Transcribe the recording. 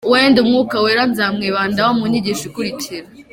wenda Umwuka wera nzamwibandaho mu nyigisho ikurikira.